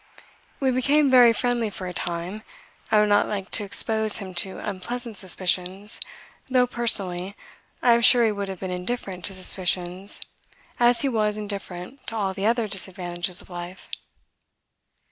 We became very friendly for a time, and I would not like to expose him to unpleasant suspicions though, personally, I am sure he would have been indifferent to suspicions as he was indifferent to all the other disadvantages of life.